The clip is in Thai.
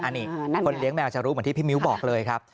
อันนี้คนเลี้ยงแมวจะรู้เหมือนที่พี่มิ้วบอกเลยครับ